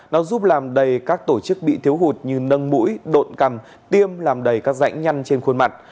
nó giúp làm đầy các tổ chức bị thiếu hụt như nâng mũi độn cằm tiêm làm đầy các rãnh nhăn trên khuôn mặt